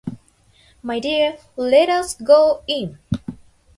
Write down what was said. My dear, let us go in.